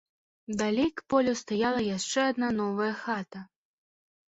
Далей к полю стаяла яшчэ адна новая хата.